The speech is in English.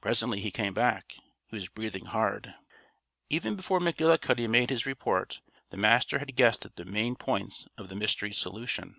Presently he came back. He was breathing hard. Even before McGillicuddy made his report the Master had guessed at the main points of the mystery's solution.